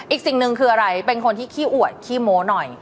อีกสิ่งหนึ่งคืออะไรเป็นคนที่ขี้อวดขี้โม้หน่อย